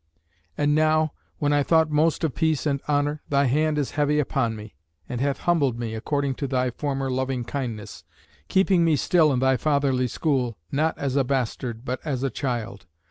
"And now when I thought most of peace and honour, thy hand is heavy upon me, and hath humbled me, according to thy former loving kindness, keeping me still in thy fatherly school, not as a bastard, but as a child.